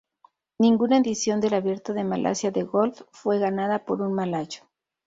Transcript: Ninguna edición del Abierto de Malasia de Golf fue ganada por un malayo.